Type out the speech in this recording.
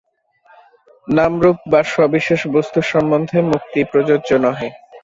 নাম-রূপ বা সবিশেষ বস্তু সম্বন্ধে মুক্তি প্রযোজ্য নহে।